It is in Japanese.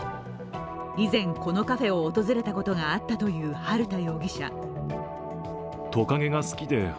以前、このカフェを訪れたことがあったという春田容疑者。